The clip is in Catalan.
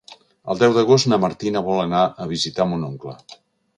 El deu d'agost na Martina vol anar a visitar mon oncle.